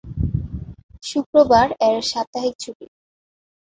শুক্রবার এর সাপ্তাহিক ছুটি।